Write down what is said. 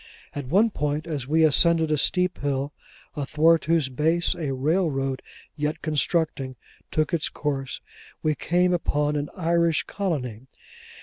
At one point, as we ascended a steep hill, athwart whose base a railroad, yet constructing, took its course, we came upon an Irish colony.